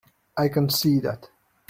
I can see that.